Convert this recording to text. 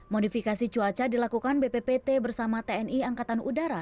modifikasi cuaca dilakukan bppt bersama tni angkatan udara